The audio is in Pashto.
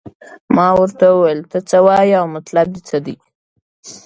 ما ورته وویل ته څه وایې او مطلب دې څه دی.